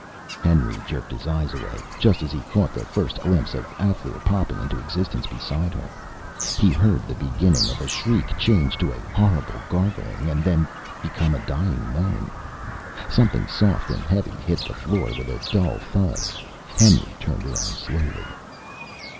Henry jerked his eyes away, just as he caught the first glimpse of Alféar popping into existence beside her. He heard the beginning of a shriek change to a horrible gargling and then become a dying moan. Something soft and heavy hit the floor with a dull thud. Henry turned around slowly.